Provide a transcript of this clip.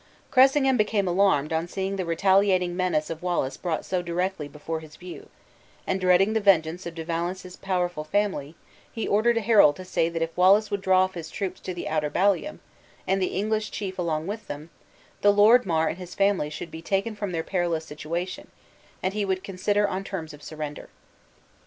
Cressingham became alarmed on seeing the retaliating menace of Wallace brought so directly before his view; and, dreading the vengeance of De Valence's powerful family, he ordered a herald to say that if Wallace would draw off his troops to the outer ballium, and the English chief along with them, the Lord Mar and his family should be taken from their perilous situation, and he would consider on terms of surrender.